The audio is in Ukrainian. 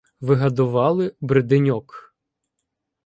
Вигадовали бриденьок.